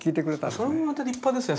それもまた立派ですね。